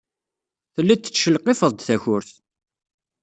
Tellid tettcelqifed-d takurt.